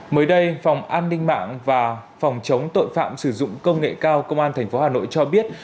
mới đây phòng an ninh mạng và phòng chống tội phạm sử dụng công nghệ cao công an tp hà nội cho biết